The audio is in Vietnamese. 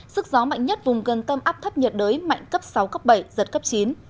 sức gió mạnh nhất vùng gần tâm áp thấp nhiệt đới mạnh cấp sáu cấp bảy giật cấp chín